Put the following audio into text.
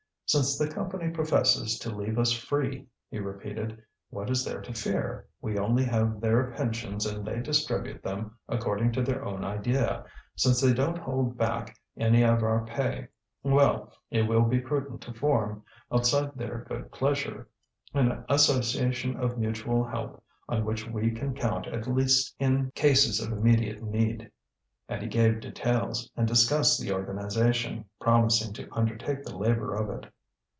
"Since the Company professes to leave us free," he repeated, "what is there to fear? We only have their pensions and they distribute them according to their own idea, since they don't hold back any of our pay. Well, it will be prudent to form, outside their good pleasure, an association of mutual help on which we can count at least in cases of immediate need." And he gave details, and discussed the organization, promising to undertake the labour of it.